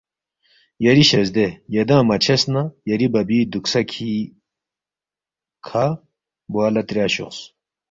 یری شزدے یدانگ مہ چھیس نہ یری بَبی دُوکسَکھی کھہ بوا لہ تریا شوخ